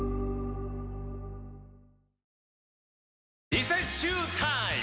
リセッシュータイム！